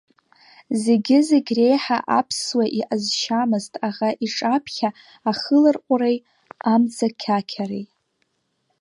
Зегьы-зегь реиҳа аԥсуа иҟазшьамызт аӷа иҿаԥхьа ахыларҟәреи амҵақьақьареи.